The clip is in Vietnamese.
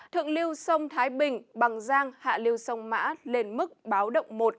thượng lưu sông thái bình bằng giang hạ lưu sông mã lên mức báo động một